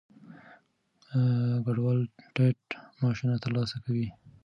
کډوال ټیټ معاشونه ترلاسه کوي.